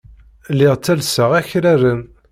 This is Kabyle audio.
Lliɣ ttellseɣ akraren.